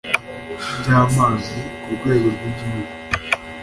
by amazi ku rwego rw igihugu